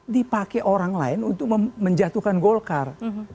dipakai orang lain untuk menjatuhkan golkar